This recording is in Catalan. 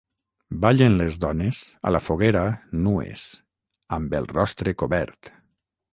Ballen les dones a la foguera nues, amb el rostre cobert.